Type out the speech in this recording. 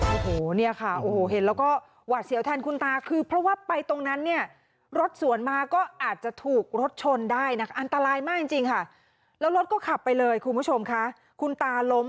โอ้โหเนี่ยค่ะโอ้โหเห็นแล้วก็หวาดเสียวแทนคุณตาคือเพราะว่าไปตรงนั้นเนี่ยรถสวนมาก็อาจจะถูกรถชนได้นะคะอันตรายมากจริงค่ะแล้วรถก็ขับไปเลยคุณผู้ชมค่ะคุณตาล้ม